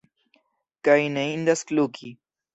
Kaj ne indas kluki.